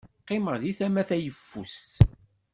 Qqimeɣ di tama tayeffus.